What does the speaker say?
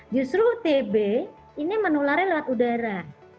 justru tb ini menularnya lewat udara